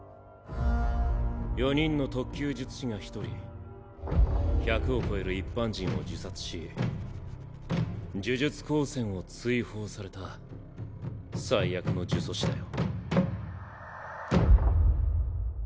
４人の特級術師が１人１００を超える一般人を呪殺し呪術高専を追放された最悪の呪詛師だよ。